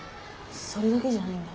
それだけじゃないんだ。